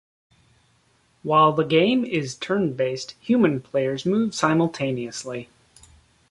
While the game is turn based, human players move simultaneously.